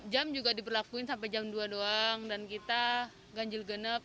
jam juga diberlakuin sampai jam dua doang dan kita ganjil genap